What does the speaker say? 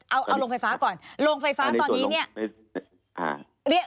เอาโรงไฟฟ้าก่อนโรงไฟฟ้าตอนนี้เนี่ย